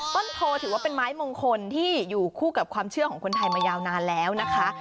โทถือว่าเป็นไม้มงคลที่อยู่คู่กับความเชื่อของคนไทยมายาวนานแล้วนะคะ